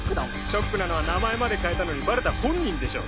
ショックなのは名前まで変えたのにバレた本人でしょ！